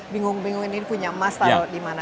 bingung bingung ini punya emas tau dimana